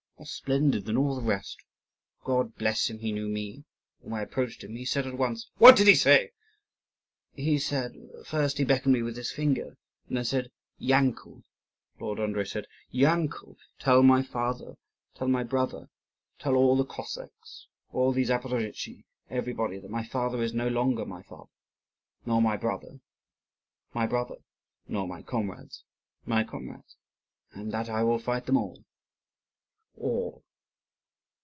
more splendid than all the rest. God bless him, he knew me, and when I approached him he said at once " "What did he say?" "He said First he beckoned me with his finger, and then he said, 'Yankel!' Lord Andrii said, 'Yankel, tell my father, tell my brother, tell all the Cossacks, all the Zaporozhtzi, everybody, that my father is no longer my father, nor my brother my brother, nor my comrades my comrades; and that I will fight them all, all.